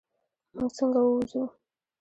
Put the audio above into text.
مونږ څنګه ووځو؟